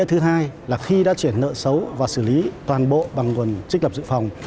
thứ hai là khi đã chuyển nợ xấu và xử lý toàn bộ bằng nguồn trích lập dự phòng